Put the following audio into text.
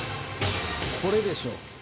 これでしょう。